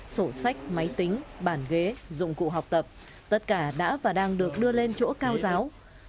sổ sách máy tính bàn ghế dụng cụ học tập tất cả đã và đang được đưa lên chỗ cao giáo